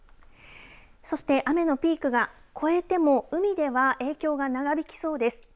そして雨のピークが超えても海では影響が長引きそうです。